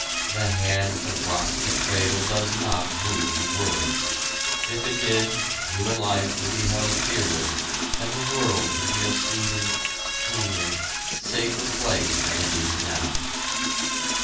The hand that rocks the cradle does not rule the world. If it did, human life would be held dearer and the world would be a sweeter, cleaner, safer place than it is now!